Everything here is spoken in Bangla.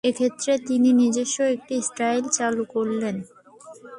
এক্ষেত্রে তিনি নিজস্ব একটি স্টাইল চালু করলেন।